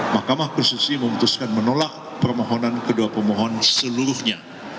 mahkamah konstitusi memutuskan menolak permohonan kedua pemohon seluruhnya